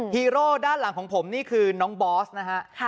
ฮีโร่ด้านหลังของผมนี่คือน้องบอสนะฮะ